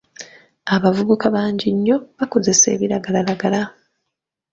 Abavubuka bangi nnyo bakozesa ebiragalalagala.